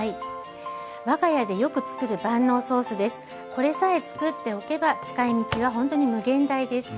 これさえつくっておけば使いみちはほんとに無限大です。